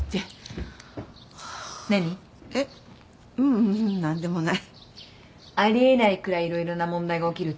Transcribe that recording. ううん何でもない。あり得ないくらい色々な問題が起きるって？